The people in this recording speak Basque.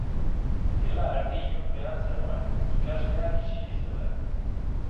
Gela erdi ilunpean zegoen, ikasleak isilik zeuden.